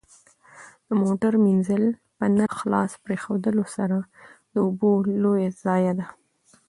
د موټر مینځل په نل خلاص پرېښودلو سره د اوبو لوی ضایع ده.